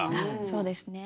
そうですね。